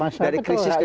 masyarakat itu rakyat